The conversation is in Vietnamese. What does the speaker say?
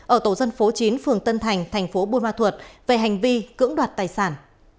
ở tổ dân phố chín phường tân thành thành phố buôn ma thuột về hành vi cưỡng đoạt tài sản